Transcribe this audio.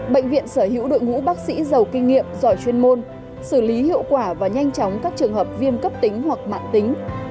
bệnh viện sở hữu đội ngũ bác sĩ giàu kinh nghiệm giỏi chuyên môn xử lý hiệu quả và nhanh chóng các trường hợp viêm cấp tính hoặc mạng tính